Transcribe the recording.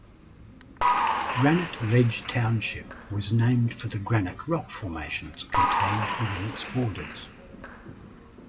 Granite Ledge Township was named for the granite rock formations contained within its borders.